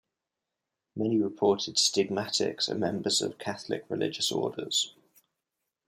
Many reported stigmatics are members of Catholic religious orders.